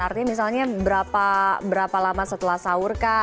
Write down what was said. artinya misalnya berapa lama setelah sahur kah